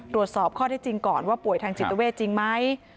ตรวจสอบข้อที่จริงก่อนว่าป่วยทางจิตเวทจริงไหม